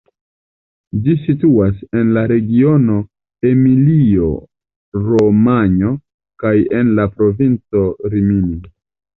Ĝi situas en la regiono Emilio-Romanjo kaj en la provinco Rimini.